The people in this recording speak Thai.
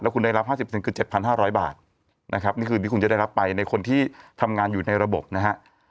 คุณได้รับ๕๐คือ๗๕๐๐บาทนะครับนี่คือที่คุณจะได้รับไปในคนที่ทำงานอยู่ในระบบนะฮะ